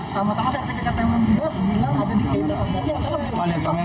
sama sama sertifikat penpro bilang ada di bidang